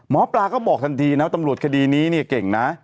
หมอปลาก็บอกทันทีนะตำรวจคดีนี้เนี่ยเก่งนะ